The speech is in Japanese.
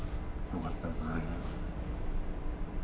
よかったですね。